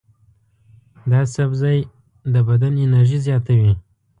دا سبزی د بدن انرژي زیاتوي.